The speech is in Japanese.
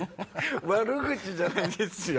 悪口じゃないですよ！